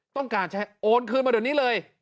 ต้องการใช้โอนคืนมาเดี๋ยวนี้เลย